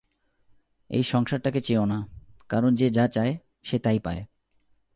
এই সংসারটাকে চেও না, কারণ যে যা চায়, সে তাই পায়।